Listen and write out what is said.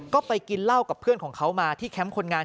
ก็ไปกินเหล้ากับเพื่อนของเขามาที่แคมป์คนงาน